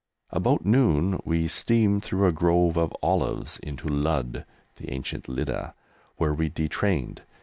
About noon we steamed through a grove of olives into Ludd (the ancient Lydda), where we detrained.